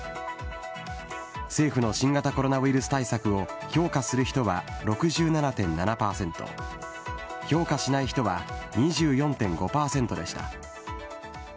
政府の新型コロナウイルス対策を評価する人は６７．７％、評価しない人は２４．５％でした。